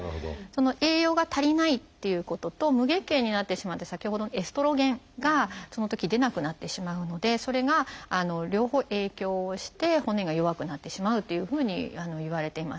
栄養が足りないっていうことと無月経になってしまって先ほどのエストロゲンがそのとき出なくなってしまうのでそれが両方影響をして骨が弱くなってしまうというふうにいわれています。